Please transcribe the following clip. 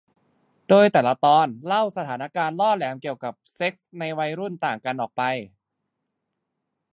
โดยแต่ละตอนเล่าสถานการณ์ล่อแหลมเกี่ยวกับเซ็กส์ในวัยรุ่นต่างกันออกไป